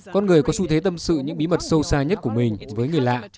con người có xu thế tâm sự những bí mật sâu xa nhất của mình với người lạ